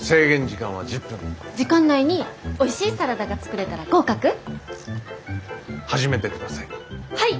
時間内においしいサラダが作れたら合格？始めてください。